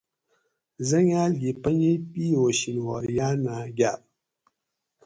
حٔنگاۤل گی پنجیپی او شینواۤریانہ گاۤ